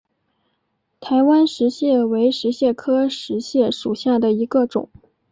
台湾石蟹为石蟹科石蟹属下的一个种。